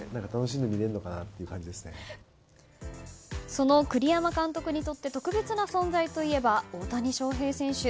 その栗山監督にとって特別な存在といえば大谷翔平選手。